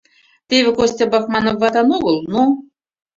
Теве Костя Бахманов ватан огыл, но...